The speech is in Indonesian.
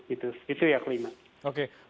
itu yang kelima